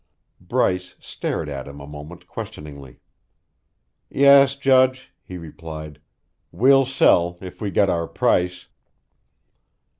Bryce stared at him a moment questioningly. "Yes, Judge," he replied, "we'll sell, if we get our price."